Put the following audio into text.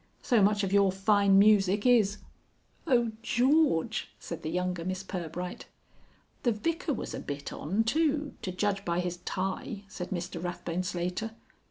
So much of your fine music is " "Oh, George!" said the younger Miss Pirbright. "The Vicar was a bit on too to judge by his tie," said Mr Rathbone Slater.